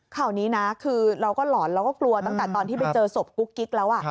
ข่าวนี้นะคือเราก็หลอนเราก็กลัวตั้งแต่ตอนที่ไปเจอศพกุ๊กกิ๊กแล้ว